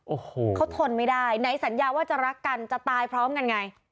โอ้โหเขาทนไม่ได้ไหนสัญญาว่าจะรักกันจะตายพร้อมกันไง